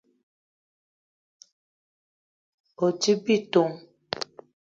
O: djip bitong.